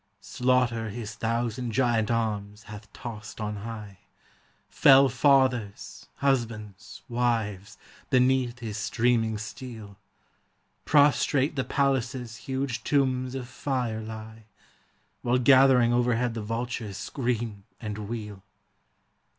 Slaughter his thousand giant arms hath tossed on high, Fell fathers, husbands, wives, beneath his streaming steel; Prostrate the palaces huge tombs of fire lie, While gathering overhead the vultures scream and wheel.